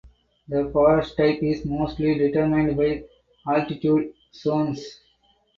The forest type is mostly determined by altitude zones.